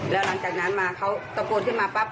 แล้วหลังจากนั้นมาเขาตะโกนขึ้นมาปั๊บ